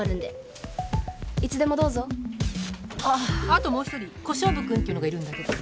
あともう１人小勝負君っていうのがいるんだけど。